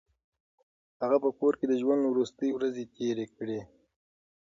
هغه په کور کې د ژوند وروستۍ ورځې تېرې کړې.